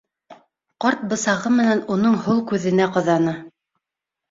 Ҡарт бысағы менән уның һул күҙенә ҡаҙаны.